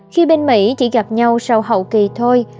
khi bên mỹ chỉ gặp nhau sau hậu kỳ thôi